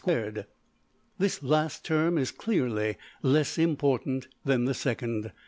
This last term is clearly less important than the second.